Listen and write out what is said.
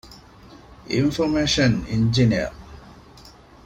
އިންފޮރމޭޝަން އިންޖިނިއަރ